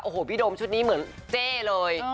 โอ้โหพี่โดมชุดนี้เหมือนเจ๊เลย